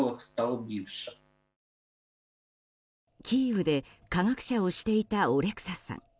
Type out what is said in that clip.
キーウで科学者をしていたオレクサさん。